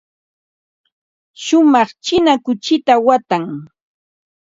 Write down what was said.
Shumaq china kuchita watan.